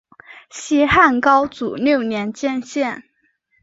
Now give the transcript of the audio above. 西汉高祖六年建县。